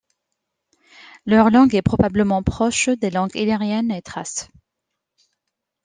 Leur langue est probablement proche des langues illyriennes et thraces.